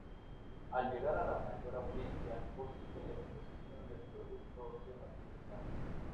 Al llegar a la mayor audiencia posible, la exposición del producto se maximiza.